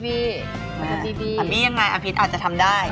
บียังไงพีชอาจจะทำได้